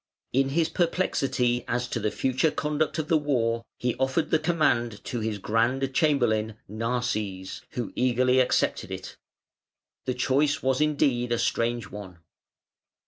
In his perplexity as to the further conduct of the war he offered the command to his Grand Chamberlain Narses, who eagerly accepted it. The choice was indeed a strange one.